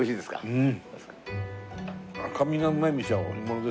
うん！